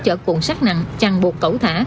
chở cuộn xác nặng chằn buộc cẩu thả